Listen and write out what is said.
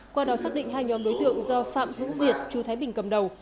qua đó xác định hai nhóm đối tượng do phạm hữu việt chú thái bình cầm đầu